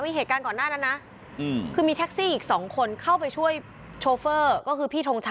มีเหตุการณ์ก่อนหน้านั้นนะคือมีแท็กซี่อีกสองคนเข้าไปช่วยโชเฟอร์ก็คือพี่ทงชัย